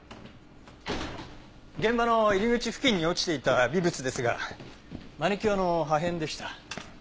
現場の入り口付近に落ちていた微物ですがマニキュアの破片でした。